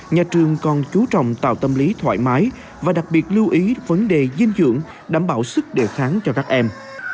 nhà trường còn chú trọng tạo tâm lý thoải mái và đặc biệt lưu ý vấn đề dinh dưỡng đảm bảo sức đề kháng cho các em